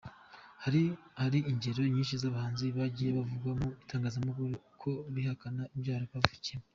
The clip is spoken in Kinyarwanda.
Hari ingero nyinshi z’abahanzi bagiye bavugwa mu itangazamakuru ko bihakana ibyaro bavukiyemo.